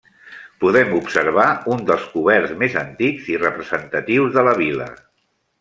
Podem observar un dels coberts més antics i representatius de la vila.